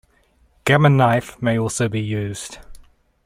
Gamma knife may also be used.